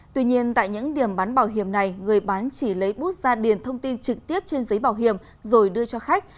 tuy nhiên tại những điểm bán bảo hiểm này người bán chỉ lấy bút ra điền thông tin trực tiếp trên giấy bảo hiểm rồi đưa cho khách